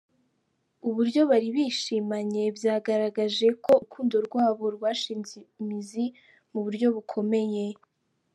Uburyo bari bishimanye byagaragaje ko urukundo rwabo rwashinze imizi mu buryo bukomeye.